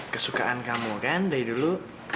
kesukaan kamu kan dari dulu